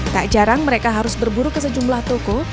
tak jarang mereka harus berburu ke sejumlah toko